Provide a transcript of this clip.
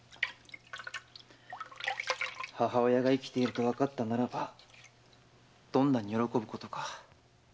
母親が生きているとわかったらどんなに喜ぶことか。